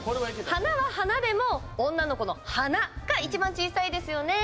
「はな」は「はな」でも女の子の鼻が一番小さいですよね。